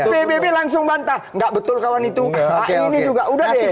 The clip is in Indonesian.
pbb langsung bantah nggak betul kawan itu ini juga udah deh